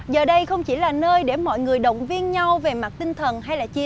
giờ đây không chỉ là nơi để mọi người động viên nhau về mặt tinh thần hay là chia